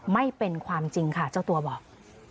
ไม่เป็นความจริงค่ะเจ้าตัวบอก